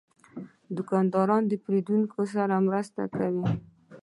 دوکاندار د پیرودونکي مرسته وکړه.